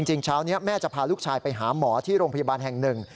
เช้านี้แม่จะพาลูกชายไปหาหมอที่โรงพยาบาลแห่งหนึ่ง